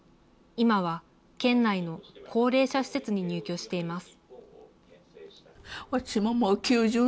今は県内の高齢者施設に入居しています。